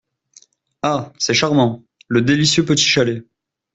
Ah ! c’est charmant ! le délicieux petit chalet !…